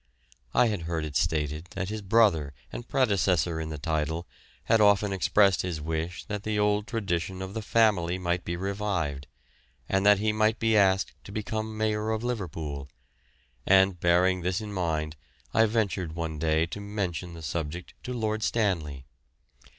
I had heard it stated that his brother and predecessor in the title had often expressed his wish that the old tradition of the family might be revived, and that he might be asked to become Mayor of Liverpool; and bearing this in mind I ventured one day to mention the subject to Lord Stanley.